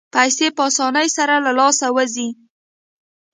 پیسې په اسانۍ سره له لاسه وځي.